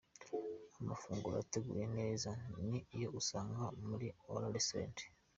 Amafunguro ateguye neza ni yo usanga muri Ora Restaurant.